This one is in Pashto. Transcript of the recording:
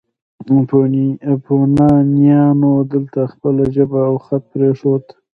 یونانیانو دلته خپله ژبه او خط پریښود